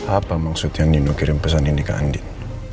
apa maksudnya nino kirim pesan ini ke andin